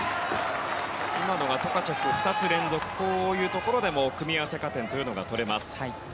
トカチェフ２つ連続こういうところでも組み合わせ加点が取れます。